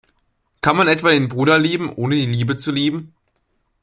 Kann man etwa den Bruder lieben, ohne die Liebe zu lieben?